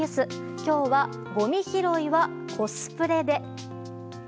今日は、ごみ拾いはコスプレで。